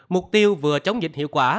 mục tiêu vừa chống dịch hiệu quả